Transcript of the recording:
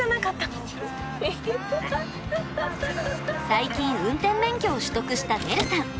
最近運転免許を取得したねるさん。